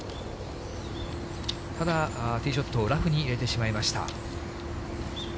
ただ、ティーショットをラフに入れてしまいました。